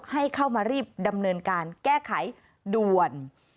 ให้เข้ามารีบดำเนินการแก้ไขด่วน